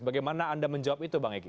bagaimana anda menjawab itu bang egy